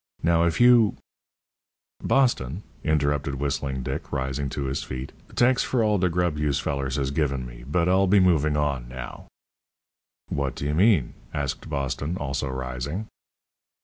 Now, if you " "Boston," interrupted Whistling Dick, rising to his feet, "T'anks for the grub yous fellers has given me, but I'll be movin' on now." "What do you mean?" asked Boston, also rising.